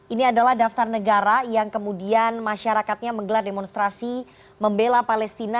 ini adalah daftar negara yang kemudian masyarakatnya menggelar demonstrasi membela palestina